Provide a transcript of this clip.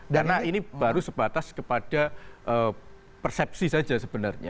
karena ini baru sebatas kepada persepsi saja sebenarnya